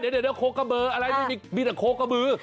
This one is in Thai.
เดี๋ยวโคกะเบลอะไรมีแต่โคกะเบล